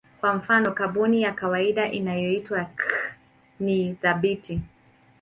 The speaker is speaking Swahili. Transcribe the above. Kwa mfano kaboni ya kawaida inayoitwa C ni thabiti.